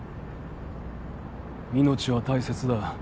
命は大切だ。